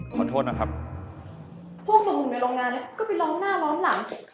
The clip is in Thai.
ขอโทษนะครับพวกมึงในโรงงานเนี้ยก็ไปร้อนหน้าร้อนหลัง